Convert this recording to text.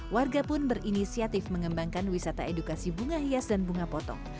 warga pun berinisiatif mengembangkan wisata edukasi bunga hias dan bunga potong